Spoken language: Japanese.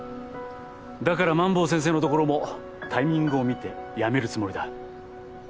だから萬坊先生のところもタイミングを見て辞めるつもりだ。